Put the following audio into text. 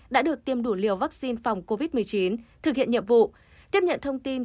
đã được tiêm đủ liều vaccine phòng covid một mươi chín thực hiện nhiệm vụ tiếp nhận thông tin